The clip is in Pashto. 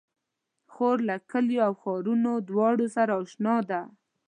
خور له کليو او ښارونو دواړو سره اشنا ده.